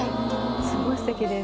すごいすてきです。